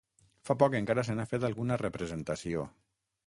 Fa poc encara se n'ha fet alguna representació.